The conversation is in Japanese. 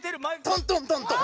トントントントン。